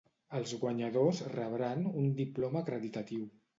Els guanyadors rebran un diploma acreditatiu.